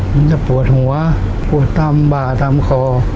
ผมจะปวดหัวปวดตั้งบาก์บาตั้งคอ